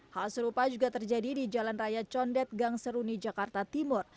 hal serupa juga terjadi di jalan raya condet gang seruni jakarta timur